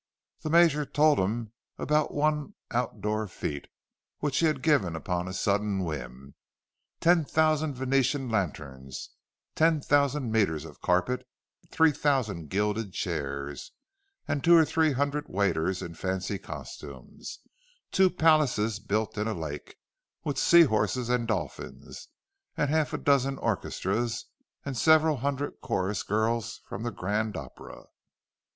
The Major told about one outdoor fête, which he had given upon a sudden whim: ten thousand Venetian lanterns, ten thousand metres of carpet; three thousand gilded chairs, and two or three hundred waiters in fancy costumes; two palaces built in a lake, with sea horses and dolphins, and half a dozen orchestras, and several hundred chorus—girls from the Grand Opera!